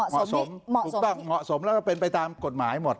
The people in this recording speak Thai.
เหมาะสมถูกต้องเหมาะสมแล้วก็เป็นไปตามกฎหมายหมด